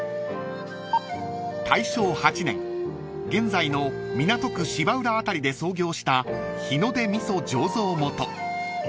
［大正８年現在の港区芝浦辺りで創業した日出味噌醸造元］